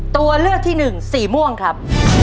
ตัวเลือกที่๑สีม่วงครับ